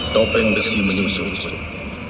topeng besi menyusup